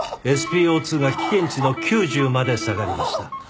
ＳｐＯ２が危険値の９０まで下がりました。